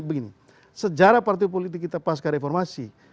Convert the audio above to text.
begini sejarah partai politik kita pas ke reformasi